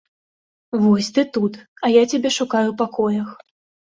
Вось, ты тут, а я цябе шукаю ў пакоях.